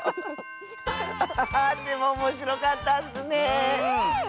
ハハハーでもおもしろかったッスね！